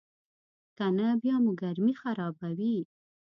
کنه بیا مو ګرمي خرابوي.